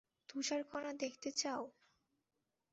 তুষারকণা দেখতে চাও?